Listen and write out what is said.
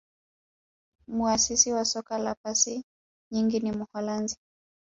muasisi wa soka la pasi nyingi ni muholanzi